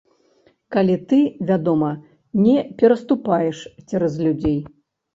Калі ты, вядома, не пераступаеш цераз людзей.